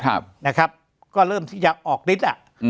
ครับนะครับก็เริ่มที่จะออกฤทธิ์อ่ะอืม